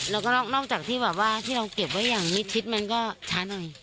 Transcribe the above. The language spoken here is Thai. แล้วก็นอกจากที่เราเก็บไว้อย่างมิตรชิดมันก็ช้าหน่อย